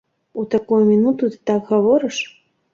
У такую мінуту ты так гаворыш?